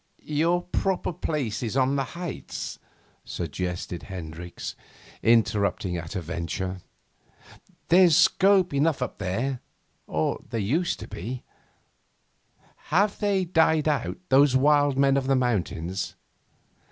'Your proper place is on the heights,' suggested Hendricks, interrupting at a venture. 'There's scope enough up there, or used to be. Have they died out, those wild men of the mountains?